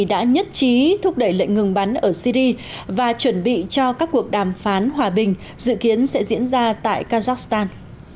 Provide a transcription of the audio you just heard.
đã nhất trí thúc đẩy lệnh ngừng bắn ở syri và chuẩn bị cho các cuộc đàm phán hòa bình dự kiến sẽ diễn ra tại kazakhstan